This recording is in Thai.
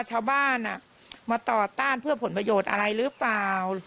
ชาวบ้านมาต่อต้านเพื่อผลประโยชน์อะไรหรือเปล่า